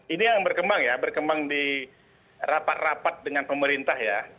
ini yang berkembang ya berkembang di rapat rapat dengan pemerintah ya